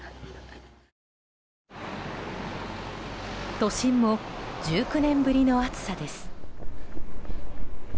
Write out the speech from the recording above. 都心も１９年ぶりの暑さです。